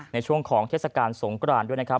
ในช่วงของเทศกาลสงกรานด้วยนะครับ